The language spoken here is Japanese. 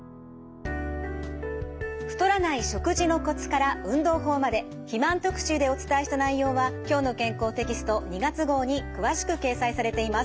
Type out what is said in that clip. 太らない食事のコツから運動法まで肥満特集でお伝えした内容は「きょうの健康」テキスト２月号に詳しく掲載されています。